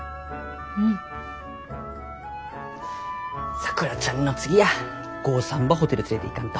さくらちゃんの次や豪さんばホテル連れていかんと。